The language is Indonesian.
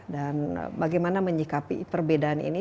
dan bagaimana menyikapi perbedaan ini